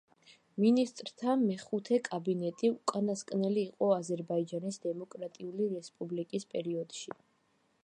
მინისტრთა მეხუთე კაბინეტი უკანასკნელი იყო აზერბაიჯანის დემოკრატიული რესპუბლიკის პერიოდში.